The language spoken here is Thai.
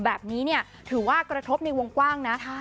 แบบนี้เนี่ยถือว่ากระทบในวงกว้างนะ